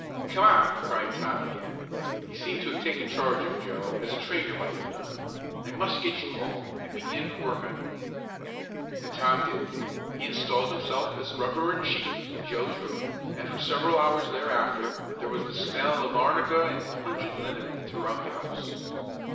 "Come on!" cried Tom again. He seemed to have taken charge of Joe as a trainer might have done. "I must get you home and begin work on you." And Tom did. He installed himself as rubber in chief in Joe's room, and for several hours thereafter there was the smell of arnica and pungent liniment throughout the house.